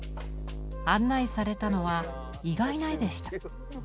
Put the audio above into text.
案内されたのは意外な絵でした。